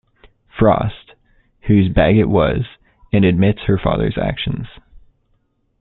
Frost, whose bag it was, and admits her father's actions.